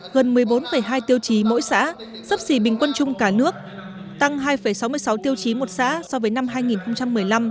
gần một mươi bốn hai tiêu chí mỗi xã sấp xỉ bình quân trung cả nước tăng hai sáu mươi sáu tiêu chí một xã so với năm